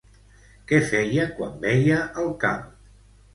Què feia quan veia el camp?